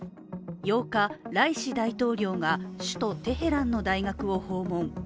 ８日、ライシ大統領が首都テヘランの大学を訪問。